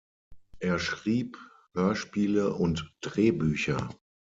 Er schrieb Hörspiele und Drehbücher.